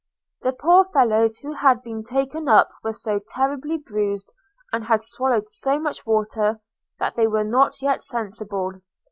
The poor fellows who had been taken up were so terribly bruised, and had swallowed so much water, that they were not yet sensible.